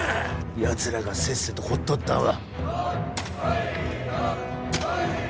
やつらがせっせと掘っとったんは。